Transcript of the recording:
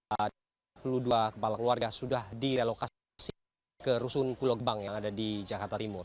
ada dua puluh dua kepala keluarga sudah direlokasi ke rusun pulau gebang yang ada di jakarta timur